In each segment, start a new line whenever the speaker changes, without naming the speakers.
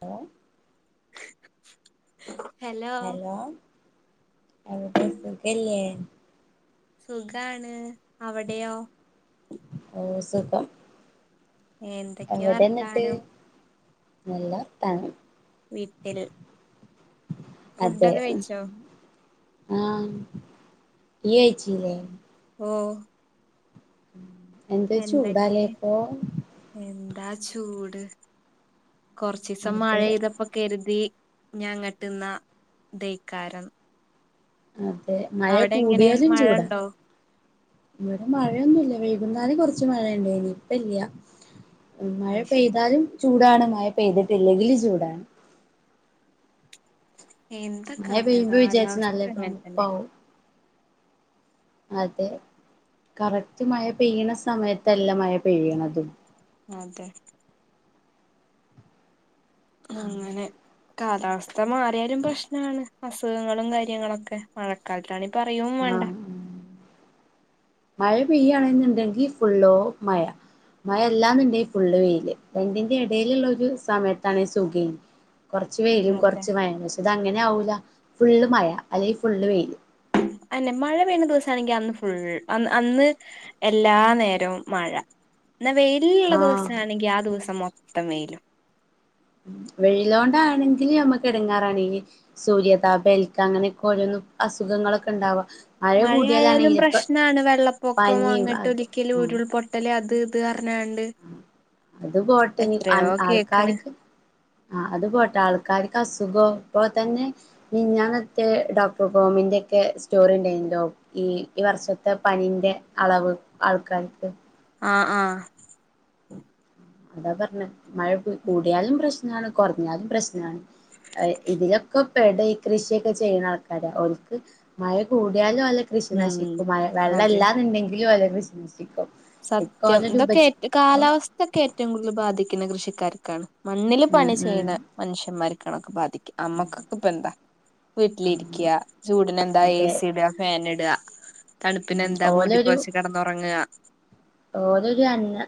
Hello
[unintelligible] hello
എവ്ടേപം സുഖല്ലേ
സുഖാണ് അവ്ടെയോ
കം
എന്തെക്കെയാ വർത്താനം
നല്ല വർത്താനം
[unintelligible] ഫുഡ്‌ ഒക്കെ കഴിച്ചോ
ആ ഇയ് കഴിച്ചീലെ
ഓ
[inaudible] എന്തോ ചൂടാല്ലേ
എന്തൊക്കെ
ഇപ്പൊ
എന്താ ചൂട് കൊറച്ചീസം
അതെ
മഴയ്തപ്പോ കരുതി [unintelligible]
അതെ മഴ
അവിടെ എങ്ങനെ
കൂടിയാലും
മഴ
ചൂടാ
ഉണ്ടോ
ഇവിടെ മഴയൊന്നും ഇല്ല വൈകുന്നേരം കുറച്ച് മഴ ഇണ്ടേര്ന്നു ഇപ്പൊ ഇല്ല മഴ
അത് ശരി
പെയ്താലും ചൂടാണ് മയ പെയ്തിട്ടില്ലെങ്കിലും ചൂടാണ്
എന്ത് [unintelligible]
മഴ പെയ്യുമ്പോ വിചാരിച്ച്
കട്ടക്കാലാവസ്ഥ
നല്ല
ഇങ്ങൻ തെന്നെ
തണുപ്പാവും അതെ കറക്റ്റ് മയ പെയ്യണ സമയത്തല്ല മയ പെയ്യണതും
അതെ അങ്ങനെ കാലാവ സ്ഥ മാറിയാലും പ്രശ്നാണ് അസുഖങ്ങളും കാര്യങ്ങളൊക്കെ മഴക്കാലത്താണ് പറയുവേം വേണ്ട
മയ പെയ്യുകാണെന്നുണ്ടെങ്കിൽ ഫുള്ളോ മയ മയ ഇല്ലാന്നുണ്ടേൽ ഫുള്ള് വെയില് രണ്ടിന്റേയും ഇടയിലുള്ളൊരു സമയത്താണേൽ സുഖം ആയിന് കൊറച്ച് വെയിലും
അതെ
കൊറച്ച് മയേം പക്ഷെ ഇത് അങ്ങനെ ആകൂല ഫുള്ള് മയ അല്ലങ്കിൽ ഫുള്ള് വെയില്
അതന്നെ മഴ പെയ്യുന്ന ദിവസാണെങ്കിൽ അന്ന് ഫുൾ അന്ന് എല്ലാ നേരവും മഴ പിന്നെ വെയിലിൽ ഇള്ള
ആഹ്
ദിവസാണെങ്കി ആ ദിവസം മൊ ത്തം വെയിലും
വെയിലോണ്ടാണെങ്കില് നമ്മക്ക് എടങ്ങേറാണ് ഇനി സൂര്യതാപം ഏൽക്ക അങ്ങനെയൊക്കെ ഓരോന്ന് അസുഖങ്ങളൊക്കെ ഇണ്ടാവുക
മഴ ആയാലും പ്രശ്നാണ് വെള്ളപ്പൊക്കം
പനിയും
അങ്ങനത്തെ
അത്
[unintelligible]
ഉം
ഉരുൾപൊട്ടല് അത് ഇത് പറഞ്ഞാണ്ട്
അത് പോട്ടെ ഇനി
എത്രയോ കേക്ക്ണ്
ആൾക്കാർക്ക് അത് പോട്ടെ ആൾക്കാർക്ക് അസുഖവോ അത് പോലെ തന്നെ മിനിഞ്ഞാന്നൊക്കെ ഡോക്ടർ കോമിന്റെയൊക്കെ സ്റ്റോറി ഉണ്ടാരുന്നല്ലോ ഈ വർഷത്തെ പനീന്റെ അളവ് ആൾക്കാർക്ക്
ആഹ് ആഹ്
അതാ പറഞ്ഞെ മഴ കു കൂടിയാലും പ്രശ്‌നാണ് കൊറഞ്ഞാലും പ്രശ്നാണ് ആഹ് ഇതിലൊക്കെ എടേ കൃഷിയൊക്കെ ചെയ്യണ ആൾക്കാർ ഓല്ക്ക് മയ കൂടിയാ ഓലെ കൃഷി നശിക്കും വ
ഉം
വെള്ള
അതെ
ഇല്ലാന്നുണ്ടെങ്കിലു ഓലെ [unintelligible] മ്യൂസിക്കോ
സത്യം ഇതൊക്കെ ഏറ്റ കാലാവസ്‌ഥക്കെ റ്റവും കൂടുതല് ബാധിക്കുന്നെ കൃഷിക്കാർക്കാണ്. മണ്ണില് പണി
ഉം
ചെയ്യണ മനുഷ്യൻമാര്. കണൊക്കെ ബാധി ക്കും അമ്മക്കൊക്കെ ഇപ്പ എന്താ
ഉം
വീട്ടിലിരിക്കാ ചൂടിന് എന്താ
അതെ
എസി ഇടാ ഫാന് ഇടാ
ഉം
തണുപ്പിനെന്താ മൂടിപ്പുതച്ച് കെടന്നുറങ്ങാ
ഓലെ ഒരു അന്ന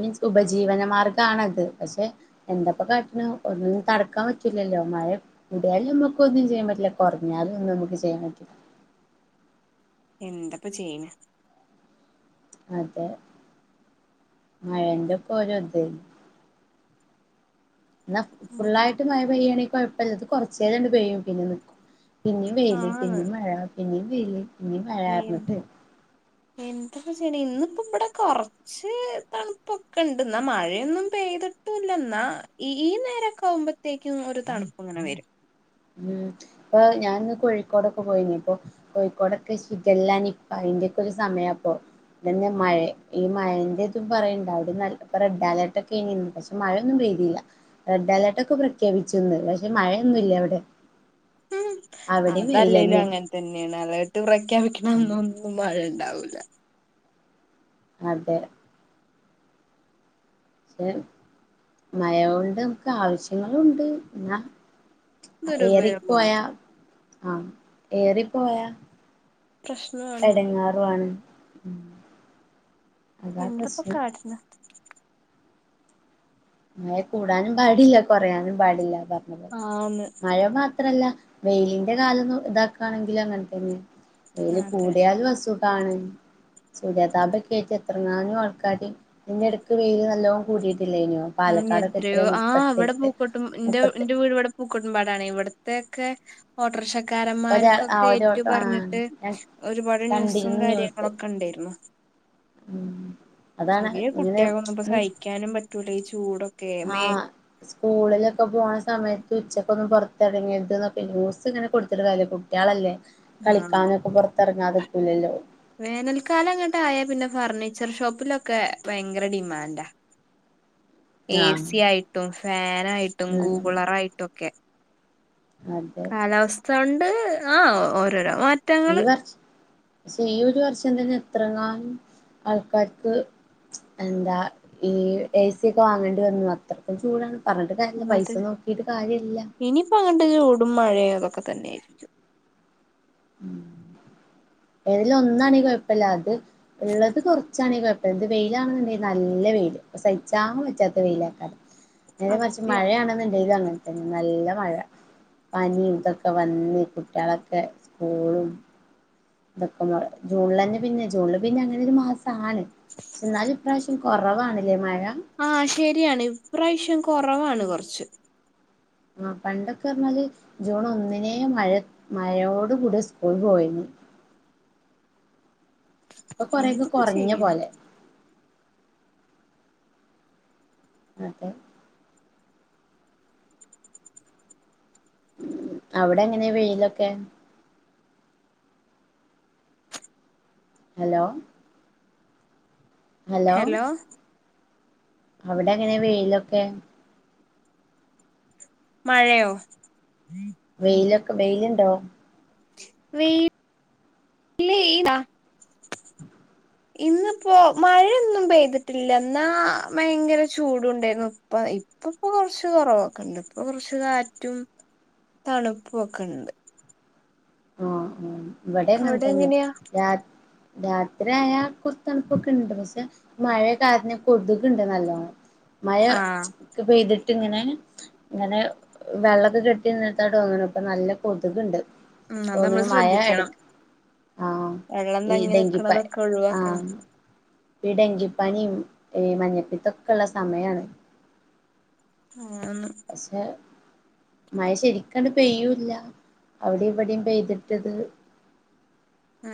മീൻസ് ഉപജീവന മാർഗാണത്, പക്ഷെ എന്താപ്പ കാട്ടണെ ഒന്നും തടുക്കാൻ പറ്റൂല്ലല്ലോ, മഴ കൂടിയാല് ഇമ്മക്കൊന്നും ചെയ്യാൻ പറ്റൂല്ല, കുറഞ്ഞാലും നമുക്കൊന്നും ചെയ്യാൻ പറ്റൂല്ല.
ഇന്തെപ്പാ ചെയ്യണ്
അതെ മഴേൻ്റെ ഇപ്പ ഓരോ ഇത് ന്നാ ഫുൾ
അങ്ങനെ
ആയിട്ട് മഴ പെയ്യാ--ണെ കുഴപ്പൊല്ല ഇത് കൊറച്ചേരം പെയ്യും. പിന്നെ നിക്കും. പിന്നേം വെയില്
ആന്ന്
പിന്നേം മഴ പിന്നേം വെയില് പിന്നേം മഴാറങ്ട്ട്
എന്താ ഇപ്പ ചെയ്യണേ. ഇന്നിപ്പ ഇവിടെ കൊറച്ച് തണുപ്പൊക്കെണ്ട്. എന്നാ മഴയൊന്നും പെയ്ത്ട്ടൂല്ല. എന്നാ ഈ നേരൊക്കെ ആവുമ്പഴുത്തേക്കും ഒര് തണുപ്പിങ്ങനെ വരും
ഉം ഇപ്പ ഞാനിന്ന് കോഴിക്കോടൊക്കെ പോയിനി. അപ്പോ കോഴിക്കോടൊക്കെ ഷിഗെല്ല, നിപ്പ അയിൻ്റെക്കെ ഒരു സമയാ ഇപ്പൊ. ഇതന്നെ മഴേം. ഈ മഴെൻ്റെ ഇതും പറയണ്ട്. അവിടെ നല്ല ഇപ്പ റെഡ് അലർട്ടക്കെ ഇണ്ട്. പക്ഷെ മഴയൊന്നും പെയ്തീല. റെഡ് അലർട്ടൊക്കെ പ്രഖ്യാപിച്ചൂന്ന്. പക്ഷെ മഴയൊന്നുല്യ അവിടെ
അതല്ലേലും
വെയിലന്നെ
അങ്ങനെ തന്നെയാണ്. അലർട്ട് പ്രഖ്യാപിക്കണ അന്നൊന്നും മഴ ഇണ്ടാവൂ ല്ല
അതെ പക്ഷെ മയ കൊണ്ട് നമുക്ക് ആവശ്യങ്ങളും ഉണ്ട് എന്നാ
അതൊരു ഉപയോഗമുണ്ട്
ഏറിപ്പോയാ ആ ഏറിപ്പോയാ
പ്രശ്നമാണ്
എടങ്ങേറു ആണ് ഉം അതാ
എന്ത ഇപ്പ
പ്രശ്നം
കാട്ടണേ
മയ കൂടാനും പാടില്ല കുറയാനും പാടില്ല.
ആന്ന്
മയ മാ ത്രല്ല വെയിലിൻ്റെ കാലം ഇതാക്കാണെങ്കിലും അങ്ങനെ തന്നെയാ വെയില്
അതെ
കൂടിയാല് അസു ഖാണ്. സൂര്യതാപക്കെയേറ്റ് എത്രങ്ങാനും ആൾക്കാര് ഇതിനെടയ്ക്ക് വെയ്ല് നല്ലോം കൂടിയിട്ടില്ലേന്
ഉം എത്രയോ ആ ഇവിടെ പൂക്കോട്ടും ൻ്റെ
മുപ്പത്തി
ൻ്റെ വീട് ഇവിടെ പൂക്കോട്ട [unintelligible] ഇവിടത്തെക്കെ ഓട്രോക്ഷ
ഒരാ ആ
ക്കരൻമാർക്കൊക്കെ ഏറ്റു
ഒരോട്ടം ആ
പറഞ്ഞിട്ട്
ഞാൻ
ഒരുപാട് ന്യൂസും
കണ്ടിരുന്നു
കാര്യങ്ങളൊക്കെണ്ടേരുന്നു
മം
ചെറിയ കുട്ടിയാവുമ്പോ സഹിക്കാനും പ റ്റൂല്ലാ ഈ ചൂടൊ
ആ സ്‌കൂളിലൊക്കെ പോണ സമയത്ത് ഉച്ചക്കൊന്നും പൊറ എറങ്ങരുതെന്നൊക്കെ ന്യൂസിങ്ങനെ കൊടുത്തിട്ട് കാര്യല കുട്ട്യളല്ലേ കളിക്കാനൊക്കെ പൊറത്ത് എറങ്ങാതിരിക്കൂല്ലാല്ലോ
വേനൽക്കാലങ്ങട്ടായാ പിന്നെ ഫർണീച്ചർ ഷോപ്പിലൊക്കെ ഭയങ്കര ഡിമാൻ്റാ
ആഹ്
എസിയായിട്ടും [unintelligible] ആയിട്ടും
ഉം
കൂളറായിട്ടൊക്കെ
അതെ
കാലാവസ്ഥ കൊ [unintelligible] ആ ഓരോരോ മാറ്റങ്ങള്
ഈയൊരു വർഷം തന്നെ എത്രണ്ണാ ആൾക്കാർക്ക് എന്താ ഈ എസിയൊക്കെ വാങ്ങേണ്ടി വന്നത് അത്രക്കും ചൂടാണ് പറഞ്ഞിട്ട് കാര്യല്ല പൈസ
[unintelligible]
നോക്കിട്ട് കാര്യല്ല
ഇനി [unintelligible] [unintelligible] ഇപ്പൊ തന്നെയാരിക്കും
ഏതെങ്കിലും ഒന്നാണെങ്കി കൊഴപ്പില്ലാ ഇത് ഇള്ളത് കൊറച്ചാണെങ്കി കൊഴപ്പില്ലാ ഇത് വെയിലാണെങ്കി നല്ല വെയില് സഹിച്ചാൻ പറ്റാത്ത വെയിലാ [unintelligible]
സത്യം
മഴയാണെന്നിണ്ടെങ്കി അങ്ങനെ നല്ല മഴ പനി ഇതൊക്കെ വന്ന് കുട്ടികളൊക്കെ സ് [unintelligible] [unintelligible] ജൂണിലൊക്കെ പിന്നെ ജൂണില് പിന്നെ അങ്ങനൊരു മാസാണ് പക്ഷേ എന്നാലും ഇപ്രാവശ്യം കൊറവാണല്ലേ മഴ
ആ ശരി യാണ് ഇപ്രാവശ്യം കൊറവാണ് കൊറച്ച്
ആ പണ്ടൊക്കെ പറഞ്ഞാല് ജൂൺ ഒന്നിനേ മഴ മഴയോടു കൂടിയാ സ്‌കൂളില് പോയിരിന്നു ഇപ്പോ കൊറേക്കെ
എന്തിപ്പ
കൊറഞ്ഞ
ചെയ്യണ്
പോലെ [unintelligible] അവിടെങ്ങനാ വെയിലൊക്കെ ഹലോ
ഹെലോ
അവിടെങ്ങനാ വെയിലൊക്കെ
മഴയോ
വെയിലൊക്കെ വെയിൽ ഇണ്ട് ഹലോ
വെയിൽ വെയിൽ ഇന്ന് ഇപ്പൊ മഴാ ഒന്നും പെയ്തിട്ടയില്ല ഇന്നാ ഭയങ്കര ചൂടും യുണ്ടായിന്നു [unintelligible] ഇപ്പൊ ഇപ്പൊ കുറിച് കുറവൊക്കെ ഇണ്ട് ഇപ്പൊ കുറച്ച് കാറ്റും തണുപ്പുയൊക്കെ ഇണ്ട്
ഹ്മ്മ് ഹ്മ്മ് ഇവിടെയും
അവിടെ
അങ്ങനെത്തന്നെ
എങ്ങനെയാ
രാത്രി രാത്രി ആയാ കുറിച് തണുപ്പിയൊക്കെ ഇണ്ട് പക്ഷെ മഴാ കാരണം കൊതുക് ഇണ്ട് നല്ലോണം മഴാ
ആഹ്
ഒക്കെ പെയിതിട്ട് പെയ്തിട്ട് ഇങ്ങനെ ഇങ്ങനെ വെള്ളമയൊക്കെ കെട്ടിന്നിട്ടാണ് തോന്നുന്നു ഇപ്പൊ നല്ല കൊതുകയിണ്ട്
മ്മ്മ് അത്‌ നമ്മൾ ശ്രദ്ധിക്കണം
ആഹ്
വെള്ളം
ഈ
തങ്ങി നിക്കുന്നത് ഒക്കെ ഒഴിവാക്കണം
ഇവിടെ ഈ ഡെങ്കിപ്പനി യ്യും മഞ്ഞപിത്തം ഒക്കെ ഉള്ള സമയം ആണ്
ആ
മഴാ ശരിക്ക് അങ്ങ്കിട് പെയ്യുംയില്ല അവിടെയും ഇവിടെയും പെയ്തിട്ട് ഇത്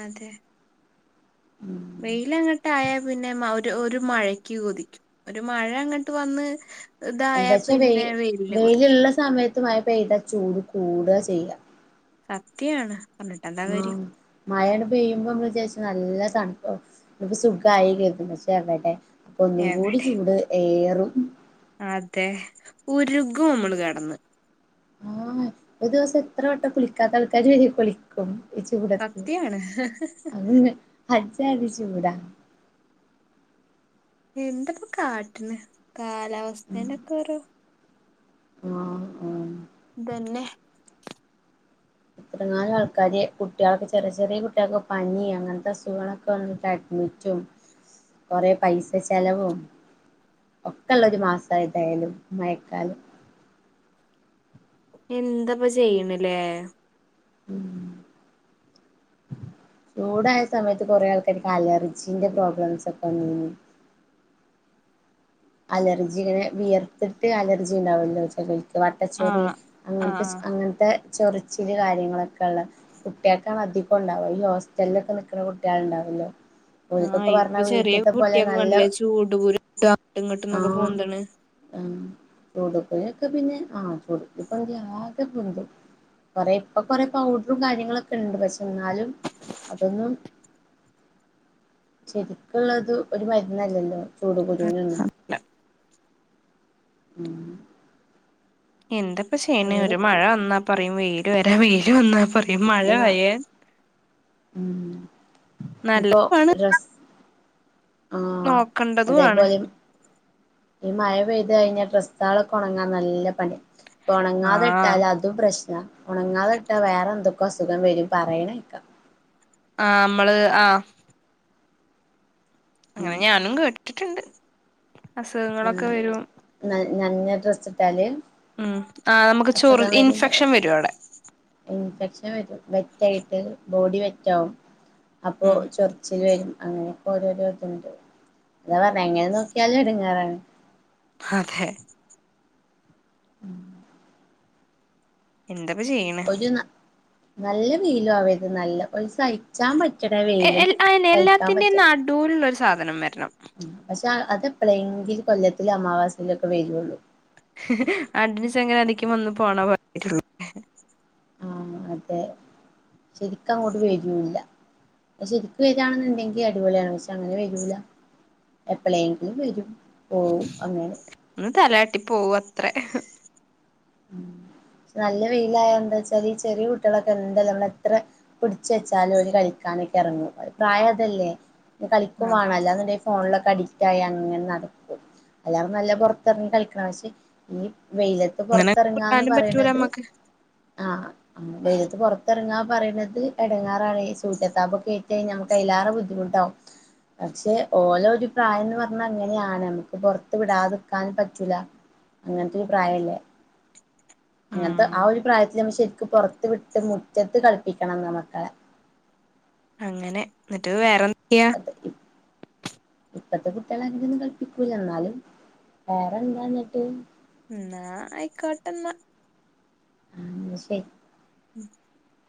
അതേ വെയിൽ അങ്ങട്ട് ആയാ പിന്നെ മൗ ഒരു മഴയ്ക്ക് കൊതിക്കും ഒരു മഴ ഇങ്ങട്ട് വന്നു
പക്ഷെ വെയിൽ വെയിൽ ഉള്ള സമയത്ത് മഴാ പെയ്താ ചൂട് കു കൂടാ ചെയ്യാ
സത്യം യാണ്
ആ മഴ അങ്ങ് പെയ്യുമ്പോ നമ്മൾ വിചാരിച്ചു നല്ലതാണ് ആ ഇപ്പൊ സുഖയായില്ലേ എന്ന് വിചാരിച്ച എവിടെ ഒന്നുകൂടെ
എവിടെ
ചൂട് എയറി [unintelligible]
അതെ ഉരുകും നമ്മൾ കിടന്ന്
ആ എന്ന് ഒരു ദിവസം എത്ര വട്ടം കുളിക്കാത്ത ആൾക്കാർ വരെ കുളിക്കും ഈ ചൂടത്തു
സത്യാണ്
അങ്ങ്അ എജാതി ചൂടാ
എന്തിപ്പോ കാട്ടിന് കാലാവസ്ഥന്റെയൊക്കെ ഓരോ
മ്മ് മ്മ്
അതന്നെ
എന്നാലും ആൾക്കാർ കുട്ടികൾക്ക് ചെറിയ ചെറിയ കുട്ടിക്കൾക്ക് പനി അങ്ങനെത്തെ അസുഖങ്ങളൊക്കെ വന്നിട്ട് അഡിമിറ്റും കുറെ പയിസ്സ ചെലാവും ഒക്കെ ഉള്ള ഒരു മാസാണ് ഏതായാലും മഴക്കാലം
എന്ത് ഇപ്പൊ ചെയിൻ ലേ
മ്മ് ചൂട് ആയാ സമയത്ത് കുറെ ആൾക്കാർക്ക് അലർജിന്റെ പ്രോബ്ലംസ് ഒക്കെ വന്നിരിന്നു അലർജി ഇങ്ങനെ വിയർത്തിട്ട് അലർജി ഇണ്ടാവല്ലോ വച്ചാൽ വട്ടച്ചോറി
ആഹ്
അങ്ങനെത്തെ
ആഹ്
അങ്ങനത്തെ ചൊറിച്ചൽ കാര്യങ്ങൾളൊക്കെ കുട്ടികൾക്കാണ് അധികം ഇണ്ടാവ ഈ ഹോസ്റ്റലിൽളൊക്കെ നിക്കാന കുട്ടികൾ ഉണ്ടാവില്ലേ
ആ ഇപ്പ ചെറ്യ കുട്ടിക്കൾക്ക്
നല്ല
കണ്ടില്ലേ ചൂട് കുരു [unintelligible] [unintelligible]
ആഹ്
പൊന്തുണ്
അതേ. ഇപ്പ പിന്നെ പൗഡ്രും കാര്യങ്ങളൊക്കെയൊണ്ട്. പക്ഷേയെന്നാലും അതൊന്നും ശെരിക്കുള്ളതുയൊരു മരുന്നല്ലല്ലോ. [unintelligible] ചൂട് കുരു എന്നെ
ല്ല
ഉം
എന്തെക്കെഷെയണേ ഒരു
അങ്ങനെയൊക്കെ
മഴ വന്നപ്പ വെയിരുവെരാ വെയിലു വന്നാ പറ്യും
ആഹ്
മഴയായേ.
ഉം
നല്ല
ഇപ്പൊ
പണിത
ഡ്രസ് ആഹ്
നോക്കണ്ടതുവാണ്.
ര് മഴ പെയ്തു കഴിഞ്ഞാ ഡ്രസ്സാകാളൊക്കെ ഉണങ്ങാൻ നല്ല പണിയാ.
ആഹ്
ഒണങ്ങാതിട്ടാൽ അതും പ്രശ്നമാ. ഒണങ്ങാതിട്ടാൽ വേറെന്തോ. അസൊഖം വെരും. പറയണേക്കാം.
ആ നമ്മെള് ആ
ഉം
ങ്ങനെ ഞാനും കേ ച്ചിട്ടൊണ്ട് അസൊഖങ്ങളൊക്കെ വെരും
എന്നാ ഡ്രസ്സിട്ടാല്.
[unintelligible] ആ നമ്മെക്ക് ചൊറിൽ ഇൻ പെക്ഷൻ വെരുമവടെ.
[unintelligible] നെറ്റൈപ്പ് ബോഡിവേറ്റോ അപ്പോ
ഉം
ചൊറിച്ചിലായ് അങ്ങെനെ. അതേപ്പറ്ണേ അങ്ങെനെ നോക്കിയാലേടങ്ങ്.
പതെ
ഉം
എന്ത് ചെയ്യണ്
ഒരു ന നല്ല നീലയവൾക് നല്ല ഓയ്സ് അഴിച്ചപ്പറ്റ്ണ
എ
വെയില്
എൽ അയന്നെ
സഹിക്കാൻ
എല്ലാത്തിന്റെയും
പറ്റൽ
നടുവിലുള്ള ഒരു സാധനം വെർണം
ഉം പക്ഷേ അത് പ്ലേകിൽ കൊല്ലത്തില് അമാവാസിലൊക്കെ വെരുവൊള്ളൂ.
അണ്ടന്യൂസങ്ങനെടിക്കുമ്പോ ഒന്നു പോണപ്പോലെയ
ആ സെരിക്കങ്ങട് വരുല്ല ശെരിക്കും വരികയാണെങ്കിൽ അടിപൊളി ആണ് പക്ഷേ അങ്ങനെ വരില്ല എപ്പോളെങ്കിലും വരും
ഒന്ന് തലയാട്ടി പോകും അത്ര
നല്ല വെയിലായാൽ എന്താച്ചാല് ചെറിയ കുട്ടികളൊക്കെ എന്തായാലും നമ്മൾ എത്ര പിടിച്ചു വെച്ചാലും ഓല് കളിക്കാനൊക്കെ എറങ്ങും പ്രായം അതല്ലേ കളിക്കും വേണം അല്ലെന്നുണ്ടെങ്കിൽ ഫോണിനൊക്കെ അഡിക്റ്റ- അങ്ങനെ നടക്കും എല്ലാരും നല്ല പുറത്തിറങ്ങി കളിക്കണ വെയിലത്തു
അങ്ങനെ
പുറത്തു ഇറങ്ങാ എന്ന്
കൂട്ടാനും പറ്റൂല
പറയുന്നത്
നമ്മക്ക്
വെയിലത്ത്‌ പുറത്തു ഇറങ്ങുന്നത് ഇറങ്ങാ പറയണത് എടങ്ങേറാണ് സൂര്യ താപമൊക്കെ ഏറ്റക്കഴിഞ്ഞ നമ്മക്ക് അതിലേറെ ബുദ്ധിമുട്ട് ആകും പക്ഷേ ഓല ഒരു പ്രായം എന്ന് പറയുന്നത് അങ്ങനെ ആണ് നമുക്ക് പുറത്തു വിടാതിരിക്കാനും പറ്റൂല അങ്ങനെതെ ഒരു പ്രായം അല്ലെ അങ്ങനത്തെ
ഉം
ആ ഒരു പ്രായത്തില് നമ്മൾ ശെരിക്കും പുറത്തു വിട്ട് മുറ്റത്തു കളിപ്പിക്കണം മക്കളെ
അങ്ങനെ എന്നിട്ട് വേറെ
ഇപ്പളത്തെ കുട്ടികൾ അങ്ങനെയൊന്നും കളിപ്പിക്കൂല്ലഎന്നാലും വേറെ എന്താ എന്നിട്ട
മ്മ് എന്നാ ആയിക്കോട്ടെന്നാ
ശരി
[inaudible]